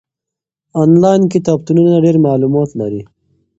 آنلاین کتابتونونه ډېر معلومات لري.